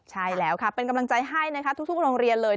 ใช่แล้วค่ะเป็นกำลังใจให้นะคะทุกโรงเรียนเลย